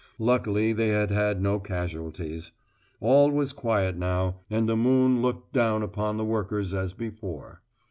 Luckily they had had no casualties. All was quiet now, and the moon looked down upon the workers as before.